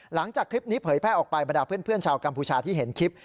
หลังจากคลิปนี้เผยแพร่ออกไปบรรดาเพื่อนชาวกัมพูชาที่เห็นคลิป